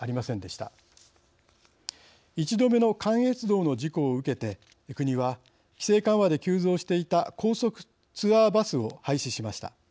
１度目の関越道の事故を受けて国は規制緩和で急増していた高速ツアーバスを廃止しました。